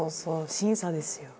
審査ですよ。